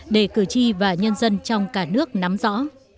để cử tri và nhân dân trong cả nước nắm rõ